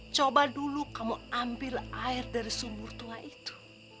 coba dulu kamu ambil air dari sumur tua itu